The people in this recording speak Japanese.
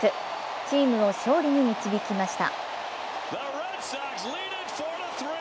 チームを勝利に導きました。